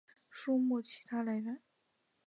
书目其它来源